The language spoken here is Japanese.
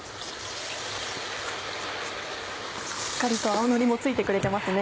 しっかりと青のりも付いてくれてますね。